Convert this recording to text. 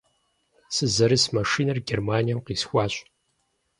Сызэрыс машинэр Германием къисхуащ.